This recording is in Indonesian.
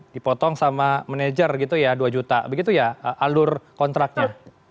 dipotong sama manajer gitu ya dua juta begitu ya alur kontraknya